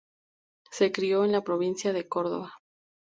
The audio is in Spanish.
Se crio en la Provincia de Córdoba.